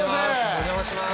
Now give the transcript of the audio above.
お邪魔します